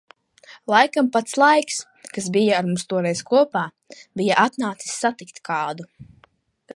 Laikam pats Laiks, kas bija ar mums toreiz kopā, bija atnācis satikt kādu.